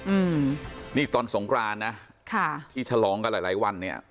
อืมนี่ตอนสงครานนะค่ะที่ฉลองกันหลายหลายวันเนี่ย